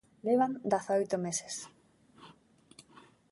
Levan dezaoito meses.